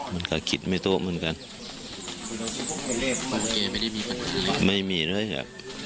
มันก็คิดไม่โตเหมือนกันไม่ได้มีปัญหาไม่มีเลยอ่ะ